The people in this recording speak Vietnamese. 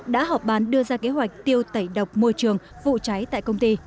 đã họp bàn đưa ra kế hoạch tiêu tẩy độc môi trường vụ cháy tại công ty